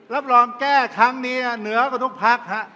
รับรองแก้ครั้งนี้เหนือกว่าทุกพักฮะ